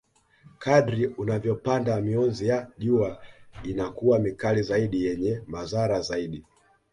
Kadri unavyopanda mionzi ya jua inakuwa mikali zaidi yenye madhara zaidi